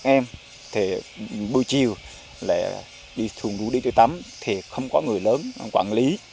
ba em thì bơi chiều là đi thùng đu đi chơi tắm thì không có người lớn quản lý